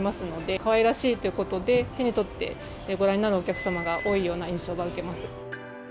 かわいらしいということで、手に取ってご覧になるお客様が多いような印象は受けます。